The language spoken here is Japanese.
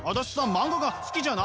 漫画が好きじゃない！